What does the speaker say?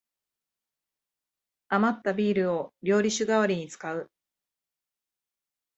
あまったビールを料理酒がわりに使う